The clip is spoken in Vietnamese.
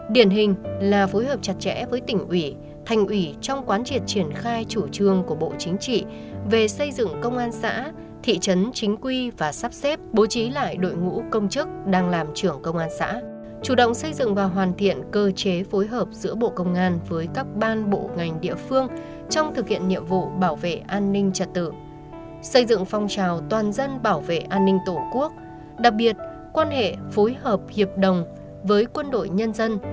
điển hình là phối hợp chặt chẽ với tỉnh ủy thành ủy trong quán triệt triển khai chủ trương của bộ chính trị về xây dựng công an xã thị trấn chính quy và sắp xếp bố trí lại đội ngũ công chức đang làm trưởng công an xã chủ động xây dựng và hoàn thiện cơ chế phối hợp giữa bộ công an với các ban bộ ngành địa phương trong thực hiện nhiệm vụ bảo vệ an ninh trật tự xây dựng phong trào toàn dân bảo vệ an ninh tổ quốc đặc biệt quan hệ phối hợp hiệp đồng với quân đội nhân dân